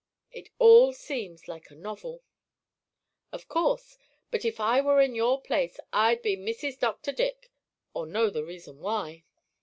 It all seems like a novel." "Of course, but if I were in your place I'd be Mrs. Dr. Dick, or know the reason why."